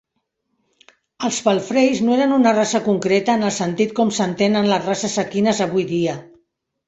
Els palfreys no eren una raça concreta en el sentit com s'entenen les races equines avui dia.